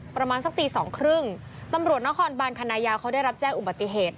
ประมาณสักตีสองครึ่งตำรวจนครบานคณะยาวเขาได้รับแจ้งอุบัติเหตุ